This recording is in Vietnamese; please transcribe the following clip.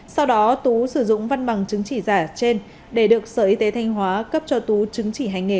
sau đó tú sử dụng văn bằng chứng chỉ giả trên để được sở y tế thanh hóa cấp cho tú chứng chỉ hành nghề